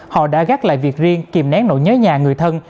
họ đã gác lại việc riêng kìm nén nỗi nhớ nhà người thân